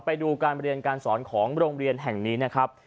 ไปดูการเรียนการสอนของโรงเรียนแห่งนี้นะครับ